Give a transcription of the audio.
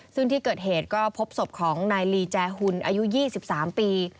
ซึ่งที่เกิดเหตุก็พบศพของนายลีแจหุ่นอายุ๒๓ปี